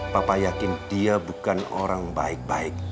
papa yakin dia bukan orang baik baik